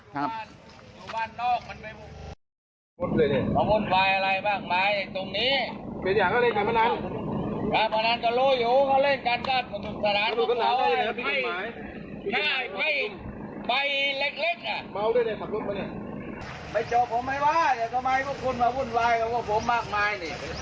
ต้องไงว่าทำไมสักครู่ว่าวุ่นวายกับผมมากมาย